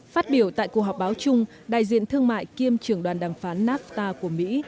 phát biểu tại cuộc họp báo chung đại diện thương mại kiêm trưởng đoàn đàm phán nafta của mỹ